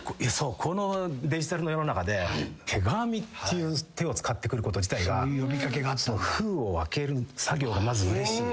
このデジタルの世の中で手紙っていう手を使ってくること自体が封を開ける作業がまずうれしい。